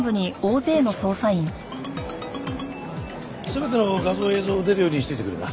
全ての画像映像出るようにしといてくれな。